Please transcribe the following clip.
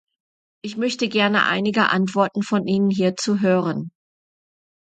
Ich möchte gerne einige Antworten von Ihnen hierzu hören.